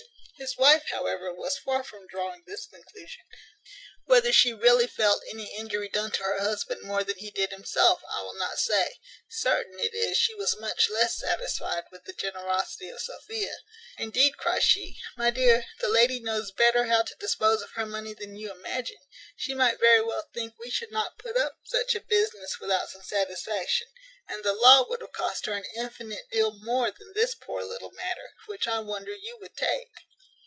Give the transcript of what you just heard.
His wife, however, was far from drawing this conclusion; whether she really felt any injury done to her husband more than he did himself, I will not say: certain it is, she was much less satisfied with the generosity of Sophia. "Indeed," cries she, "my dear, the lady knows better how to dispose of her money than you imagine. She might very well think we should not put up such a business without some satisfaction, and the law would have cost her an infinite deal more than this poor little matter, which I wonder you would take."